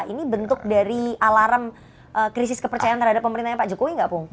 ini bentuk dari alarm krisis kepercayaan terhadap pemerintahnya pak jokowi nggak pung